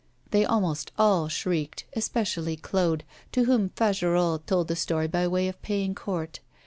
They almost all shrieked, especially Claude, to whom Fagerolles told the story by way of paying court.